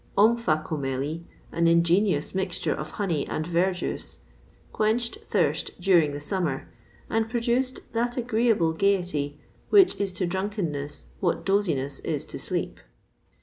[XXVI 40] Omphacomeli, an ingenious mixture of honey and verjuice, quenched thirst during the summer, and produced that agreeable gaiety which is to drunkenness what doziness is to sleep.